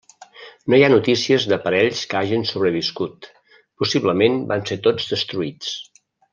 No hi ha notícies d'aparells que hagin sobreviscut, possiblement van ser tots destruïts.